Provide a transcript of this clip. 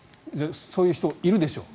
そういう人、いるでしょう。